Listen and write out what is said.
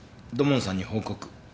土門さんに報告。